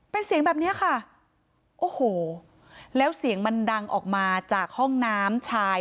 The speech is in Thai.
เป็นเสียงแบบเนี้ยค่ะโอ้โหแล้วเสียงมันดังออกมาจากห้องน้ำชาย